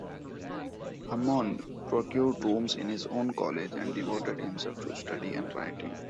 Hammond procured rooms in his own college, and devoted himself to study and writing.